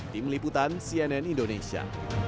tim liputan cnn indonesia